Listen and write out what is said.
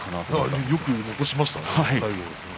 最後よく残しましたね。